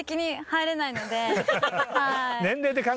はい。